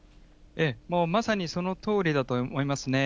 もうまさにそのとおりだと思いますね。